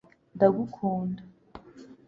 ndagukunda